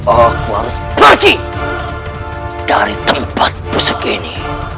aku harus pergi dari tempat musik ini